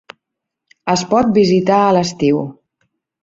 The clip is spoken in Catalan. Es pot visitar a l'estiu.